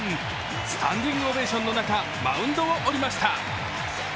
スタンディングオベーションの中、マウンドを降りました。